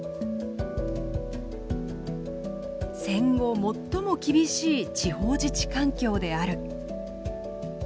「戦後最も厳しい地方自治環境である」。